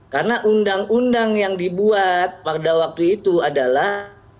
karena undang undang yang dibuat pada waktu itu adalah